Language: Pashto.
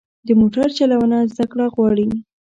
د موټر چلوونه زده کړه غواړي.